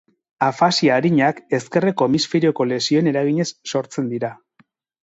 Afasia arinak, ezkerreko hemisferioko lesioen eraginez sortzen dira.